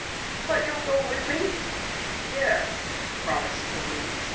"But you'll go with me?" "Yes," promised Louise.